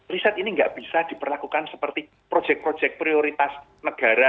riset ini nggak bisa diperlakukan seperti proyek proyek prioritas negara